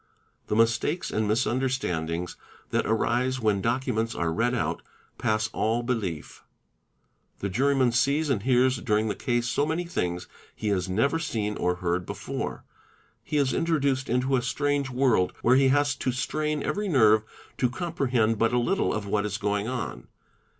The mistakes and mis _ understandings that arise when documents are read out, pass all belief. ' The juryman sees and hears during the case so many things he has never seen or heard before; he is introduced into a strange world where he has . to strain every nerve to comprehend but a little of what is going on.